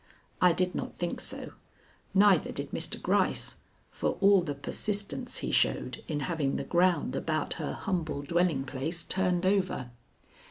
I did not think so; neither did Mr. Gryce, for all the persistence he showed in having the ground about her humble dwelling place turned over.